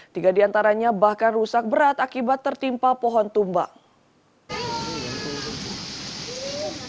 tiga diantaranya bahkan rusak berat akibat tertimpa pohon tumbang